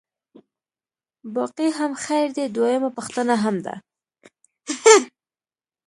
باقي هم خیر دی، دویمه پوښتنه هم ده.